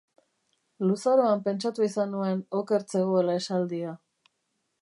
Luzaroan pentsatu izan nuen oker zegoela esaldia.